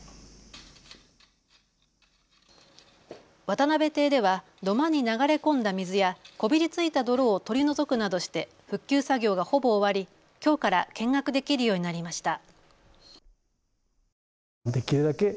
渡邉邸では土間に流れ込んだ水やこびりついた泥を取り除くなどして復旧作業がほぼ終わりきょうから見学できるようになりました。